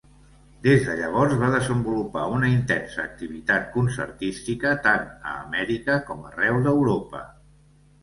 Des de llavors va desenvolupar una intensa activitat concertística tant a Amèrica com arreu d'Europa.